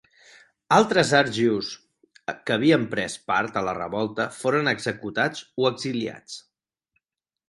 Altres argius que havien pres part a la revolta foren executats o exiliats.